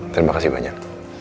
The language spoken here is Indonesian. terima kasih banyak